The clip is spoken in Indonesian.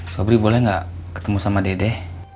sobri boleh nggak ketemu sama dede